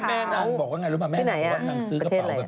แม่นางบอกว่าไงรู้ป่ะแม่นางบอกว่านางซื้อกระเป๋าแบบ